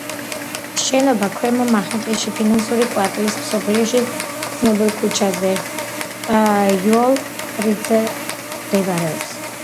შენობა ქვემო მანჰეტენში, ფინანსური კვარტლის მსოფლიოში ცნობილ ქუჩაზე, უოლ სტრიტზე მდებარეობს.